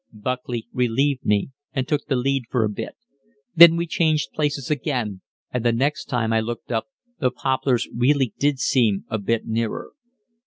Buckley relieved me, and took the lead for a bit. Then we changed places again, and the next time I looked up the poplars really did seem a bit nearer.